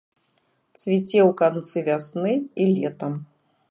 Цвіце ў канцы вясны і летам.